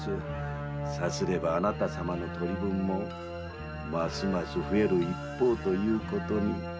さすればあなた様の取り分もますます増える一方に。